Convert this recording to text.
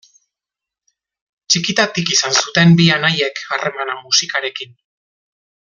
Txikitatik izan zuten bi anaiek harremana musikarekin.